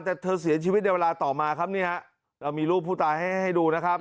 แต่เธอเสียชีวิตในเวลาต่อมาครับนี่ฮะเรามีรูปผู้ตายให้ดูนะครับ